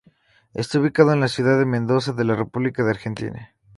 Está ubicado en la Ciudad de Mendoza, en la República Argentina.